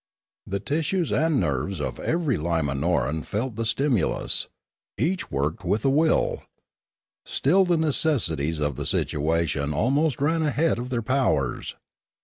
The tissues and nerves of every Wmanoran felt the stimu An Accident 341 lus; each worked with a will. Still the necessities of the situation almost ran ahead of their powers.